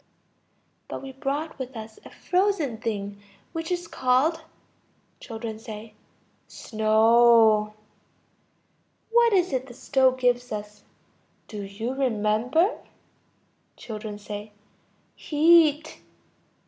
But we brought with us a frozen thing which is called ... Children. Snow. What is it the stove gives us? Do you remember? Children. Heat.